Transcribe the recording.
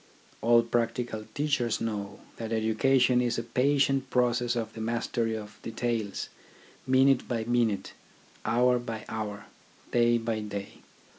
All practical teachers know that education is a patient process of the mastery of details, minute by minute, hour by hour, day by day.